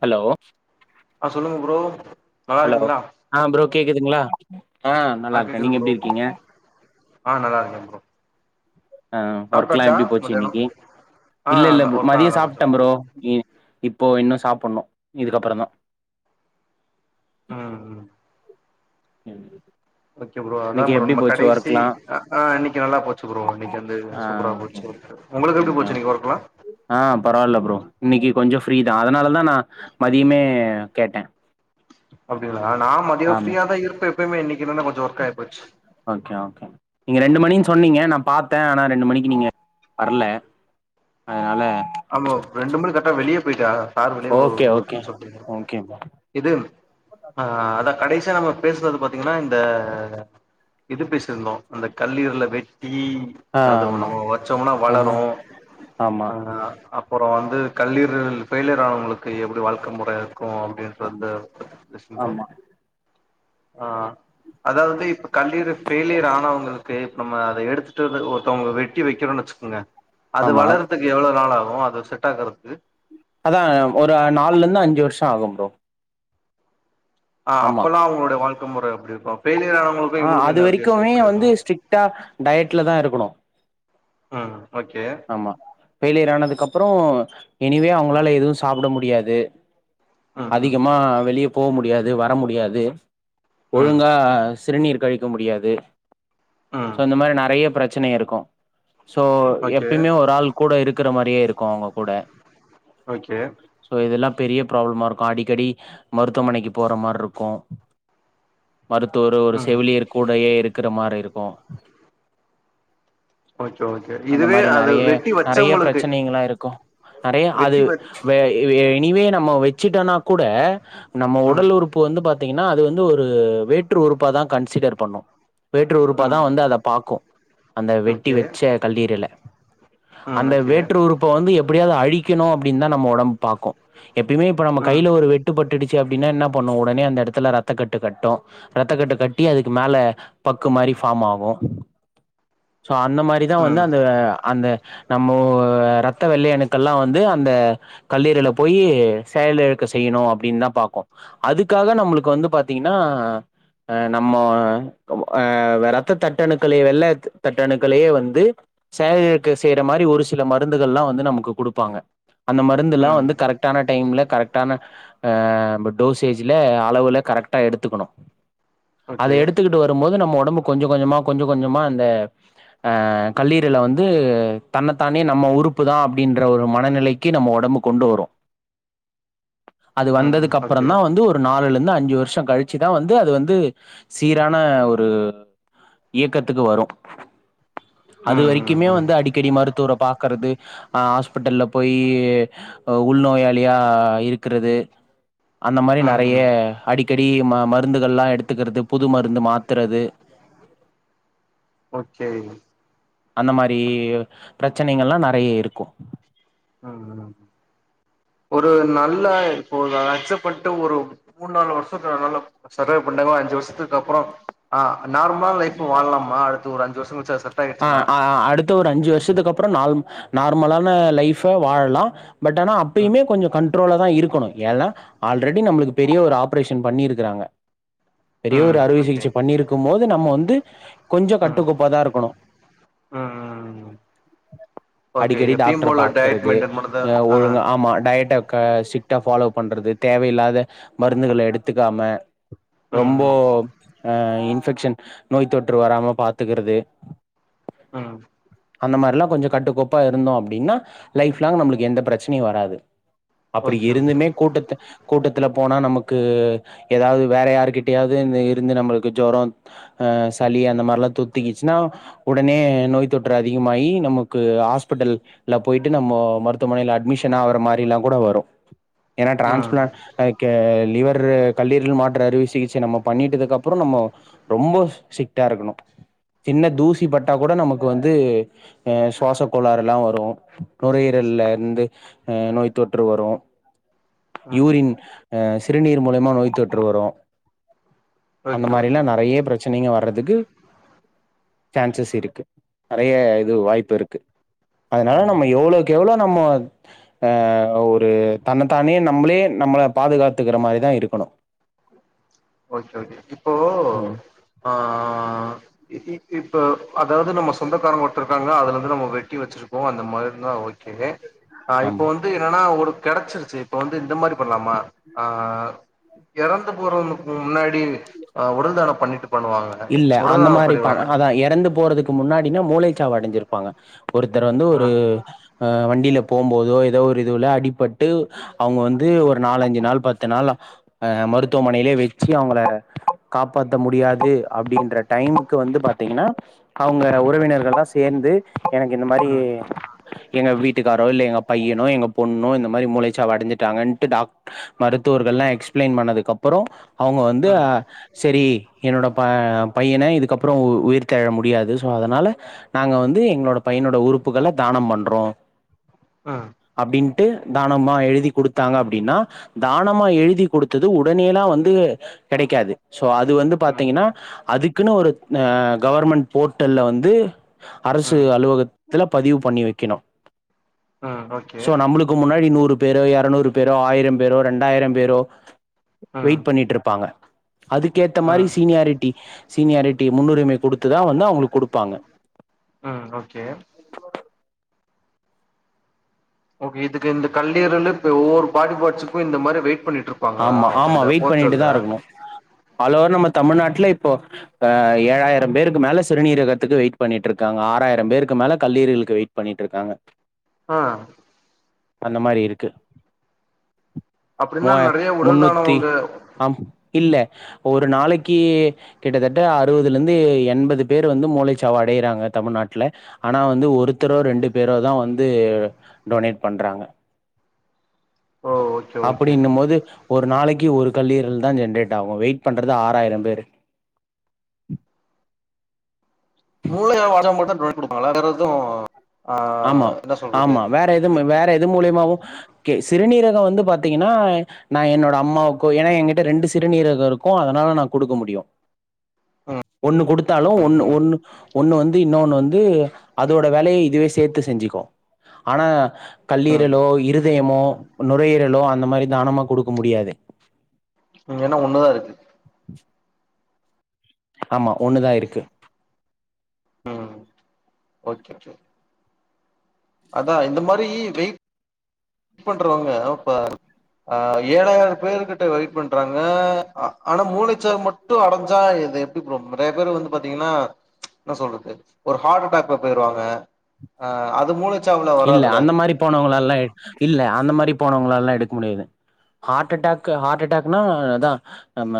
Hello ஆஹ் சொல்லுங்க bro நல்லா ஹலோ இருக்கீங்களா ஆ ப்ரோ கேக்குதுங்களா? ஆ நல்லா இருக்கே கேக்குது நீங்க ப்ரோ எப்பிடி இருக்கீங்க? ஆ நல்லா இருகே ப்ரோ. ஆ ஒர்க்லா சாப்ட்டாச்சா எப்படி போச்சு மத்தியானோ இன்னைக்கு ஆ இல்ல இல்ல ப்ரோ ஒர்க்லா மதியோ நல்லா போச்சு சாப்ட்ட ப்ரோ [unintelligible] இப்போ இன்னு சாப்படுனு இதுக்கப்புற தா உம் உம் ஓகே ப்ரோ அதான் இன்னைக்கு ப்ரோ எப்டி நம்ம போச்சு கடைசி ஒர்க்லா அ ஆஹ் இன்னிக்கி நல்லா போச்சு ப்ரோ இன்னிக்கி வந்து ஆ சூப்பரா ஓகே போச்சு உங்களுக்கு எப்டி ஓகே போச்சு இன்னிக்கு ஒர்க்லா இன்னைக்கி கொஞ்ஜொ ஃப்ரீ தா அதனாலதா நா மதியமே ம் கேட்டே அப்படிங்களா நான் மதியம் ஆமா ஃப்ரீயா தான் இருப்பேன் எப்பயுமே இன்னைக் ஓகே ஓகே நீங்க ரெண்டு மணி சொன்னீங்க நான் பாத்தேன் ஆனா ரெண்டு மணிக்கு நீங்க வரல அதனால ஆமாவ் ரெண்டு மணிக்கு கரெக்ட்டா வெளியே போயிட்டன் சார்விலொ ஓகே ஓகே ஒர்க் சொல்டு ஓகே ப்ரோ இது அ அதான் கடைசிய நம்ம பேசுனது பாத்தீங்கன்னா இந்த இது பேசிருந்தோம் அந்த கல்லீரல வெ டீ ஆ அது ஆமா நம்ம வச்சோம்னா ஆமா வளரும் ஆமா ஆஹ் அப்புறம் வந்து கல்லீரல் ஃபெய்லியர் ஆனவங்களுக்கு எப்படி வாழ்க்க முற இருக்கும் அப்படின்றது ஆமா பேசிருந்தொ ஆமா ஆஹ் அதாவது இப்ப கல்லீறு ஃபெயிலியர் ஆனவங்களுக்கு இப்ப நம்ம அத எடுத்துட்டு வந்து ஒருத்தவங்க வெட்டி வெக்கிறொன்னு வெச்சுக்கோங்க அது ஆமா. வளர்றதுக்கு எவ்வளவு நாள் ஆகு போ அது செட் ஆகுறதுக்கு அதா ஒரு நாலுல இருந்து அஞ்சு வருஷம் ஆகும் ப்ரோ ஆஹ் அப்பல்லா அவங்களுடைய வாழ்க் முற அப்டி இருக் ஆஹ் அது வரைக்குமே வந்து இருக்கு ஸ்ட்ரிட்டா டயட்லதா இருக்கணு ஆஹ் ஆமா ஃபெயிலியர் ஆனதுக்கு அப்புறோ எனிவே ம் அவங்களால எதுவு சாப்ட முடி டியாது ம் ம் அதிகமா வெளிய போவ முடியாது வர முடியாது ம் ஒழுங்கா சிறுநீர் கழிக்க முடியாது ம் சோ இந்த மாரி நெறைய பிர பிரச்சன இருக்கு சோ எப் ஓகே எப்பிமே ஒரு ஆள் கூட இருக் இருக்குற மாரியே இருக்கு அவுங்க கூட ஓகே சோ இதெல்லாம் பெரிய ப்ராப்ளமா இருக்கு அடிக்கடி மருத்துவமனைக்கு போற மாரி இருக்கு மருத்துவர் ஒரு ம் செவிலியர் கூடையே இருக் இருக்கிற மாரி இருக்கு ஓகே ஓகே இதுவே அது நெறைய வெட்டி நெறைய வச்சவங்களுக்கு பிரச்சனைகளா இருக்கு நெறைய அது வெட்டி வச் [unintelligible] நீவே நம்ம வெச்சுட்டனா கூட நம்ம ம் உடல் உறுப்பு வந்து பாத்தீங்க அது வந்து ஒரு வேற்று உறுப்பா தா கன்சிடர் பண்ணு வேற்று உறுப்பாதா ம் வந்து அத பாக்கு அந்த வெட்டி ஓகே வச்ச கல்லீறல ம் அந்த ஓகே வேற்று உறுப்ப வந்து எப் எப்டியாவது அழிக்கணு அப்டின்னு தா நம்ம ஒடம்பு பாக்கு எப்பியுமே இப்ப நம்ம ம் கைய்ல ஒரு வெட்டுபட் பட்டுடுச்சு அப்டினா என்ன பண்ணு ஒடனே அந்த எடத்துல ரத்தக்கட்டு கட்டு ரத்தக்கட்டு கட்டி அதுக்கு மேல பக்கு மாரி ஃபாம் ஆகு சோ அந்த மாரி தா வந்து ம் அந்த நம்மோ ரத்த வெள்ளை அணுக்கள் ல்லா வந்து அந்த கல்லீரல போய் செயலிழக்க செய்யனு அப்டின்னு தா பாக்கு அதுக்காக நம்மளுக்கு வந்து பாத்தீங்ன்னா நம்மோ ஆ ரத்த தட்டணுக்களே வெள்ள தட்டணுக்களையே வந்து செயலிழக் செய்ற மாரி ஒரு சில மருந்துகல்லா வந்து நமக்கு குடுப்பாங்க அந்த மருந்தெல்லா ம் வந்து கரெக்டான டைம்ல கரெக்டான ஆ நம்ம டோசேஜ்ல அளவுல கரெக்டா எடுத்துக்கனு அத ஓகே எடுத்துக்கிட்டு வரு போது நம்ம ஒடம்புக் கொஞ்ச கொஞ்சமா கொஞ்ச கொஞ்சமா அந்த ஆ கல்லீரல்ல வந்து ந்து தன்னத்தானே நம்ம உறுப்பு தா அப்டின்ற ஒரு மனநிலைக்கு நம்ம உடம்பு கொண்டு வரு அது ம் ம் வந்ததுக்கு அப்புற ஓகே தா வந்து ஒரு நாலுல இருந்து அஞ் அஞ்சு வருஷோ கழிச்சுதா வந்து அது வந்து சீரான ஒரு இயக்கத்துக்கு வரு அது ம் வரைக் ம் க்கிமே ம் வந்து அடிக்கடி மருத்துவர பாக் க்கறது ஆ ஹாஸ்பிட்டல்ல போய் உள்நோயாளியா இருக்கிறது அந்த மாரி ம் நெறைய ம் அடிக்கடி ம மருந்துகல்லா எடுத்துக்கிறது புது மருந்து மாத்தறது ஓகே அந்த மாரி ப்ரெச்சனைங்கெல்லா நெறையா இருக்கு. ம், ஒரு நல்லா இப்போ அத அக்சப்ட் பண்ட்டு ஒரு மூண் நாலு வருஷத்த நல்லா சர்வைவ் பண்ணாங்க அஞ்சு வருஷத்துக்கப்பறோ அ நார்மலா லைஃபு வாழலாமா அடுத்து ஒரு அஞ்சு வருஷங் கழிச்சி அ ஆ அடுத்த ஒரு அஞ்சு வருஷத்துக்கப்புறோ நால் நார்மலான லைஃப வாழலா. பட் ஆனா ம் அப்பியுமே கொஞ்சோ கண்ட்ரோலா தா இருக்கணு ஏன்னா ஆல்ரெடி நம்மளுக்கு பெரிய ஒரு ஆப்ரேஷன் பண்ணிருக்குறாங்க. பெரிய ஒரு ம் அறுவை ஓகே சிகிச்சை பண்ணீர்க்கு மோது நம்ம வந்து கொஞ்சோ ம் ம் கட்டுக்கோப்பாதா இருக்கணு. ம் ஓகே அடிக்கடி எப்பயும் டாக்டர போல டயட் பாக்கறது மெயின்டென் பண்ணதா அ ஆ ஒழுங்கா ஆமா டய ட க ஸிரிக்டா ஃபாலோ பண்றது தேவயில்லாத மருந்துகள எடுத்துக்காம ம் ரொம்போ ம் அ இன்ஃபெக்ஷன் நோய் தொற்று வராம பாத்துக்கறது. ம் அந்த மாரிலா கொஞ்சோ கட்டுக்கோப்பா இருந்தோ அப்படின்னா லைஃப்லாங் நம்மளுக் எந்த பிரெச்சனியு வராது. அப்டி ஓகே ஓகே இருந்துமே கூட்டத்த கூட்டத்துல போனா நமுக்கு ஏதாவது வேற யாருகிட்டயாவ்து இருந்து நம்மளுக்கு ஜொரொ அ சளி அந்த மாரில்லா தொத்திகிச்ன்னா உடனே நோய் தொற்று அதிகமாயி நமக்கு ஹாஸ்பிடல் ல்ல போய்ட்டு நம்மோ மருத்துமனைல அட்மிஷனாகற மாரிலா கூட வரு. ஏனா ம் டிரான்ஸ்ப்ளான் அ கெ லிவர்ரு கல்லீரல் மாற்று அறுவை சிகிச்ச நம்ம பண்ணீட்டிதுக்குப்புறோ நம்மோ ரொம்போ ஸ்ரிக்டா இருக்கணு சின்ன தூச் இ பட்டா கூட நமக்கு வந்து அ சுவாச கோளாறெல்லா வரு. நுரையீரல்ல இர்ந்து அ நோய்த்தொற்று வரு ம் யூரின் அ சிறுநீர் மூலியமா நோய் தொற்று வரு அந்த ஓகே மாரில்லா ஓகே நெறைய பிரச்சனைங்க வர்றதுக்கு சான்சஸ் இருக்கு நெறைய இது வாய்ப்பிருக்கு அதனால ம் நம்ம எவ்ளோ க்கு எவ்ளோ நம்மோ அ ஒரு தன்னத்தானே நம்ளே நம்ள பாதுகாத்துக்கிற மாரிதா இருக்கணு ஓகே ஓகே இப்போ ம் ஆ இ இ இப்ப அதாவது நம்ம சொந்தக்காரங்க ஒருத்தருக்காங்க அதுலிருந்து நம்ம வெட்டி வெச்சிருக்கோ அந்த மாரி தா ஓக் கே அ இப்போ ஆமா வந்து என்னானா ஒரு கெடச்சிருச்சு இப்ப வந்து இந்த மாரி பண்லாமா ஆ எறந்து போறன்னு முன்னாடி அ உடல் தானம் பண்ணீட்டு இல்ல அந்த மாரி ப அதா எறந்து போறதுக்கு முன்னாடி இல்ல மூளைச்சாவு அடஞ்சிருப்பாங்க. ஒருத்தர் வந்து ஒரூ ஆ ஆ வண்டில போம் போதோ ஏதோ ஒரு இதுவுல அடிப்பட்டு அவங்க வந்து அ ஒரு நாலஞ்சு நாள் பத் இத்தனால அ மருத்துவமனையிலயே வச்சு அவங்கள காப்பாத்த முடியாது அப்படின்ற டைமுக்கு வந்து பாத்தீங்ன்னா அவங்க அ அ உறவினர்கள்லா சேந்து எனக்கு இந்த மாரி எங்க வீட் ட்டுக்காரோ இல்ல எங்க பையனோ, எங்க பொண்ணோ இந்த மாரி மூளைச்சாவு அடைச்சுட்டாங்கன்ட்டு டாக் மருத்துவர்கள்ல்லா எக்ஸ்பிளைன் பண்ணதுக்கப்புரோ அவங்க வந்து அ செரி என்னோடப் ப பையன இதுக்கப்புறோ உயிர்த்ததெழ முடியாது. சோ அதனால நாங்க வந்து எங்களோட பையனோட உறுப்புகள தானம் பண்றோ அ அப்டின் ட்டு தானமா எழுதி கொடுத்தாங்க அப்டின்னா தானமா எழுதி கொடுத்து து உடனேல்லா வந்து கெடக்காது சோ அது வந்து அ த்திங்கன்னா அதுக்குன்னு ஒரு ஆ கவர்மெண்ட் போர்ட்டல்ல வந்து அ அரசு அலுவகத் இதுல பதிவு பண்ணி வைக்கணு அ ஓகே சோ நம்ளுக்கு முன்னாடி நூறு பேரோ இருநூறு பேரோ ஆயிரம் பேரோ ரண்டாயிரம் பேரோ அ வெயிட் பண்ணிட்டு இருப்பாங்க அதுக்கேத்த அ மாரி ஸ் ரிட்டி சீனியாரிட்டி முன்னுரிமை கொடுத்துதா வந்து அவங்களுக்கு கொடுப்பாங்க. ம் ஓகே ஓகே இதுக்கு இந்த கல் [unintelligible] ஒவ்வொரு பாடி பார்ட்ஸ்க் இந்த மாரி வெயிட் பண்ணிட் ஆமா ஆமா வெயிட் பண்ணிட்டு தா இருக்கணு ஆல்லோவர் நம்ம தமிழ்நாட்டுல இப்போ ஆ ஏழாயிரம் பேருக்கு மேல சிறுநீரகத்துக்கு வெயிட் பண்ணிட்டுருக்காங்க. ஆறாயிரம் பேருக்கு மேல கல்லீரிகளுக்கு வெயிட் பண்ணிட்டுருக்காங்க. ஆ அந்த மாரி இருக்கு அப்டின்னா மூவா நட நெறைய உடல் தானம் முன்னூத்தி உங்க ஆம் இல்ல ஒரு நாளைக்கு கிட்டத்தட்ட அறுபதுல இருந்து எண்பது பேர் வந்து மூளைச்சாவு அடையிறாங்க தமிழ்நாட்டுல ஆனா வந்து ஒருத்தரோ ரெண்டு பேரோ தா வந்து வந்து டொனேட் பண்றாங்க ஓ ஓகே ஓகே அப்டின்னும் போது ஒரு நாளைக்கு ஒரு கல்லீரல் தா ஜென்ரேட் ஆகும் வெயிட் பண்றது ஆறாயிரம் பேர் [unintelligible] கொடுப்பாங்களா வேற எதுவும் ஆமா ஆமா வேற எது வேற எது மூலியமாவும் ஓகே சிறுநீரகம் வந்து பாத்தீங்கன்னா நா என்னோட அம்மாவுக்கும் ஏன்னா என்கிட்ட ரெண்டு சிறுநீரகம் இருக்கும் அதனால நா குடுக்க முடியும் ம் ஒண்ணு கொடுத்தாலும் ம் ஒன்னு ம் ஒன்னு ஒன்னு ஓகே வந்து இன்னொண்ணு வந்து அதோட வேலைய இதுவே சேத்து செஞ்சுக்கும் ஆனா ம் கல்லீரலோ இருதயமோ நுரையீரலோ அந்த மாரி தானமா குடுக்க முடியாது என்னா ஒண்ணுதா இருக்கு ஆமா ஒண்ணுதா இருக்கு உஹம் ஓகே அதா இந்த மாரி வெ வெயிட் பண்றவங்க இப்ப ஏழாயிரம் பேரு கிட்ட வெயிட் பண்றாங்க ஆனா மூளைச்சாவு மட்டும் அடைஞ்சா இது எப்ப நிறைய பேர் வந்து பாத்தீங்கன்னா என்ன சொல்றது ஒரு ஹார்ட் அட்டாக போய்ருவாங்க அஹ் அது மூளை இல்ல அந்த மாரி போனவங்களல்லாம் இல்ல அந்த மாரி போனவங்களல்லாம் எடுக்க முடியாது ஹார்ட் அட்டாக்கு ஹார்ட் அட்டாக்னா அதா நம்ம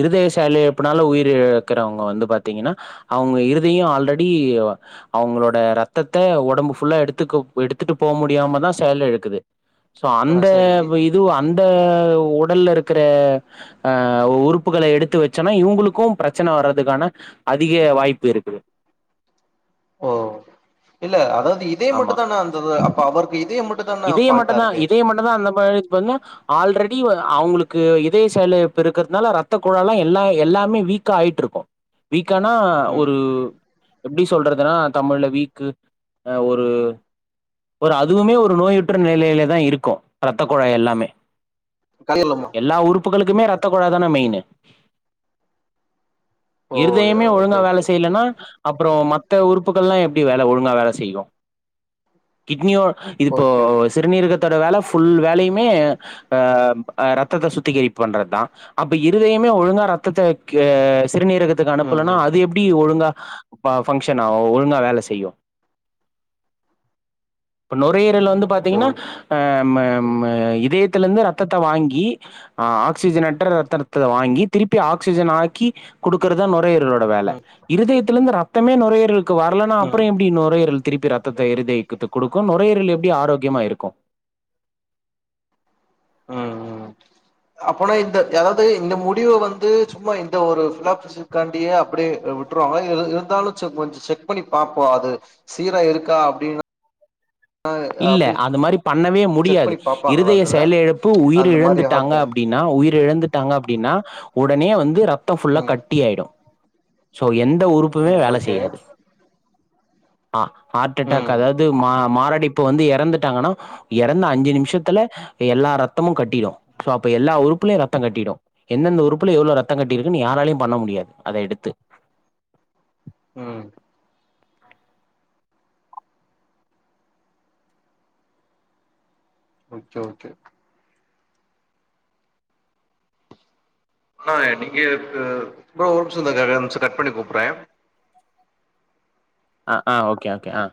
இருதய செயலிலப்புனால உயிர் இழக்குறவங்க வந்து பாத்தீங்கன்னா அவங்க இருதயம் ஆல்ரெடி அவ்ங்களோட ரத்தத்த உ உடம்புல்லா எடுத்துக எடுத்துட்டு போக முடியாம தா செயல் இழக்குது சோ ஆ அந்த சரி இது அந்த உடல்ல இருக்கிற ஆஹ் உறுப்புகள எடுத்து வச்சோனா இவங்களுக்கும் பிரச்சனை வர்றதுக்கான அதிக வாய்ப்பு இருக்கு ஓ இல்ல அதாவது இதே மட்டும் தா அந்தது அப்ப அவருக்கு இதயம் மட்டும் இதயம் மட்டு தா இதயம் மட்டு தா அந்த மாரி பண்ணா ஆல்ரெடி அவங்களுக்கு இதய செயலிலப்பு இருக்குறதுனால ரத்த குழாலா எல்லா எல்லாமே வீக் ஆய்ட்டு இருக்கும் வீக் வீக்கானா ம் ஒரு எப்டி சொல்றதுன்னா தமிழ்ல வீக்கு ஒரு ஒரு அதுவுமே ஒரு நோயுற்ற நிலையில தா இருக்கும் ரத்த குழாய் எல்லாமே எல்லா [unintelligible] உறுப்புகளுக்குமே ரத்த குழாதான மெயினு ஓ இருதயமே ஓகே ஒழுங்கா வேல ஓகே செய்யலன்னா அப்புறம் மத்த உறுப்புகளெல்லா எப்படி வேல ஒழுங்கா வேல செய்யு கிட்னியூ இது இப்போ ஓகே சிறுநீரகத்தோட வேல புல் வேலையுமே ஆ அ ரத்தத்த சுத்திகரிப்பு பண்றது தான் அப்ப இருதுயமே ஒழுங்கா ரத்தத்த கே சிறுநீரகத்துக்கு ம் அனுப்புலனா ம் அது எப்படி ஒழுங்கா ப-பங்க்ஷன் ஆகூ ஒழுங்கா வேல செய்யூ பேர்ல வந்து ஓகே பார்த்தீங்கன்னா ஓகே அ ம் எ ம் ம் எ இரு இருந்து ரத்தத்த வாங்கி அ ஆக்சிஜன்ற்ற ரத்தத்த வாங்கி திருப்பி ஆக்சிஜன் ஆக்கி கொடுக்கறத மட் இருடோ வேல ம் இருதயத்தில இருந்து ரத்தமே நொ [unintelligible] க்கு வர்லன்னா ம் அப்புற எப்டி நுரையீரல் திருப்பி ரத்தத்த இருதயத்துக்கு குடு க்கு நுரையீரல் எப்படி ஆரோக்கியமா இருக்கு உஹம் அப்பனா இந்த எதாவது இந்த முடிவ வந்து சும்மா இந்த ஒரு பிலாப்காண்டியே அப்படியே விட்டுருவாங்கலா இருந்தாலு செக் பண்ணி செக் பண்ணி பாப்போ அது சீரா இருக்கா அப்படின்னு இல்ல அது மாரி பண்ணவே செக் முடியாது பண்ணி பாப்பாங்களா இருதய அந்தத செயலிழப்பு உயிர் அந்த மாரி இழந்துட்டாங்க ஹார்ட்டா அப்படின்னா உயிர இழந்துட்டாங்க அப்படின்னா உடனே வந்து ரப் ரத்த ஃபுல்லா ம் கட்டி ஆயிடூ சோ என் எந்த உறுப்புமே ம் வேல ஓகே செய்யாது ஆஹ் ஹார்ட் அட்டாக் ம் அதாவது மா மாரடைப் இப்ப வந்து இறந்துட்டாங்கன்னா இறந்த அஞ்சு நிமிஷத்துல எல்லா ரத்தமும் கட்டிடும் சோ அப்ப எல்லா உறுப்புலயு ரத்தங் கட்டிடும் எந்தெந்த உறுப்புல எவ்வளவு ரத்தங் கட்டிருக்குன்னு யாராலயும பண்ண முடியாது அத எடுத்து உம் ஓகே ஓகே ஆனா நீங்க இப் ப்ரோ ஒரு நிமிஷ ஒரு நிமிஷந்தக்கா கட் பண்ணி கூப்பிடற ஆஹ் ஆஹ் ஓகே ஓகே ஆஹ்